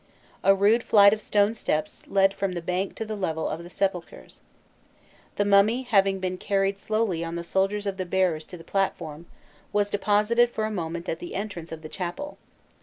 A rude flight of stone steps led from the bank to the level of the sepulchres. The mummy having been carried slowly on the shoulders of the bearers to the platform, was deposited for a moment at the entrance cf the chapel.